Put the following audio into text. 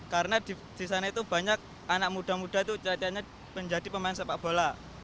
karena di sana itu banyak anak muda muda itu ceritanya menjadi pemain sepak bola